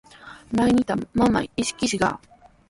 Naanitraw mamaa ishkishqa.